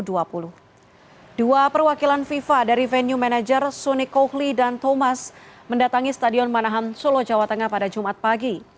dua perwakilan fifa dari venue manager suni kohli dan thomas mendatangi stadion manahan solo jawa tengah pada jumat pagi